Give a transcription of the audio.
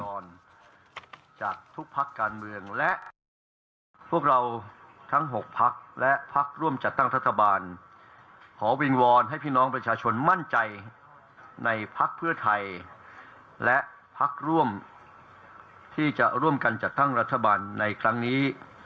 ขอพักการเมืองและพวกเราทั้ง๖พักและพักร่วมจัดตั้งรัฐบาลขอวิงวอนให้พี่น้องประชาชนมั่นใจในพักเพื่อไทยและพักร่วมที่จะร่วมกันจัดตั้งรัฐบาลในครั้งนี้